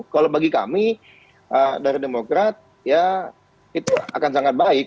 kalau bagi kami dari demokrat ya itu akan sangat baik